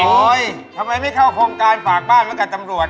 ทำไมไม่เข้าโครงการฝากบ้านแล้วกันตำรวจ